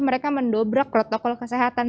mereka mendobrak protokol kesehatan